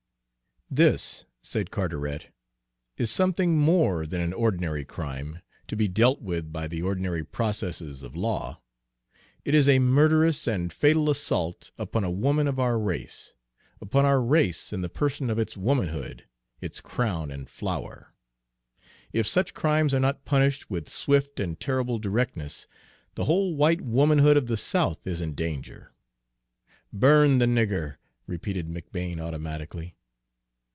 "This," said Carteret, "is something more than an ordinary crime, to be dealt with by the ordinary processes of law. It is a murderous and fatal assault upon a woman of our race, upon our race in the person of its womanhood, its crown and flower. If such crimes are not punished with swift and terrible directness, the whole white womanhood of the South is in danger." "Burn the nigger," repeated McBane automatically.